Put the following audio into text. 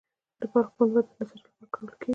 د بلخ پنبه د نساجي لپاره کارول کیږي